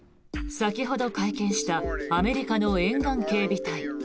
先ほど会見したアメリカの沿岸警備隊。